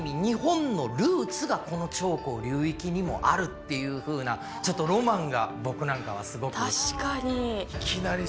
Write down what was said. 日本のルーツがこの長江流域にもあるっていうふうなちょっとロマンが僕なんかはすごく。